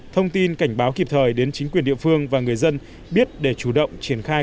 thông tin cảnh báo kịp thời đến chính quyền địa phương và người dân biết để chủ động triển khai